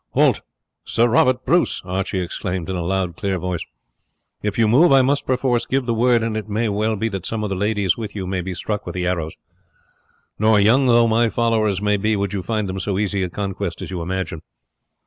"Halt! Sir Robert Bruce," Archie exclaimed in a loud clear voice. "If you move I must perforce give the word, and it may well be that some of the ladies with you may be struck with the arrows; nor, young though my followers may be, would you find them so easy a conquest as you imagine.